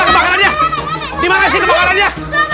kebakarannya dimana sih kebakarannya